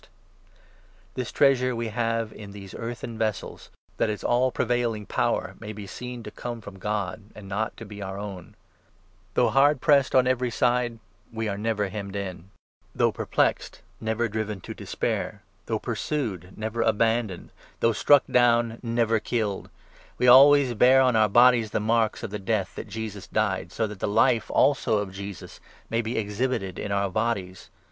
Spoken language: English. The This treasure we have in these earthen vessels, 7 weakness or that its all prevailing power may be seen to come '•* from God, and not to be our own. Though hard 8 pressed on every side, we are never hemmed in ; though per 7— M Exod. 34. 29, 30, 34, 35. 18 Exod. 24. 17. II. CORINTHIANS, 4 5. 337 plexed, never driven to despair ; though pursued, never aban 9 doned ; though struck down, never killed ! We always bear 10 on our bodies the marks of the death that Jesus died, so that the Life also of Jesus may be exhibited in our bodies.